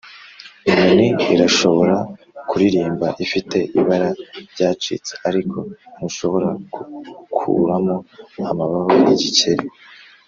inyoni irashobora kuririmba ifite ibaba ryacitse, ariko ntushobora gukuramo amababa igikeri